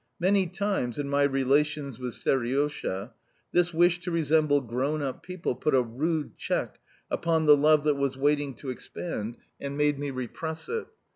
Many times, in my relations with Seriosha, this wish to resemble grown up people put a rude check upon the love that was waiting to expand, and made me repress it.